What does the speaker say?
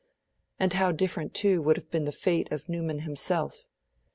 And how different, too, would have been the fate of Newman himself!